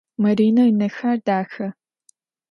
Маринэ ынэхэр дахэ.